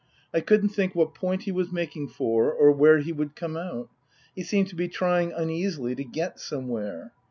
I couldn't think what point he was making for or where he would come out. He seemed to be trying uneasily to get somewhere.